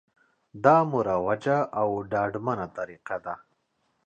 دا مروجه او ډاډمنه طریقه ده